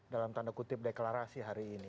dalam tanda kutip deklarasi hari ini